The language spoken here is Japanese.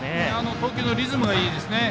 投球のリズムがいいですね。